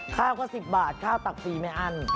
ข้าวก็๑๐บาทข้าวตักฟรีไม่อั้น